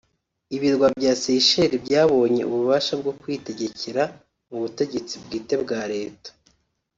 Ibirwa bya Seychelles byabonye ububasha bwo kwitegekera mu butegetsi bwite bwa Leta